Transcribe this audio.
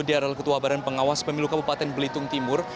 dia adalah ketua badan pengawas pemilu kabupaten belitung timur